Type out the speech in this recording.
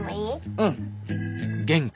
うん。